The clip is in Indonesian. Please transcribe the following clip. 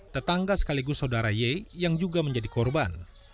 tetangga sekaligus saudara y yang juga menjadi korban